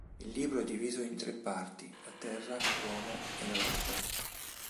Il libro è diviso in tre parti: La Terra, L'Uomo e La Lotta.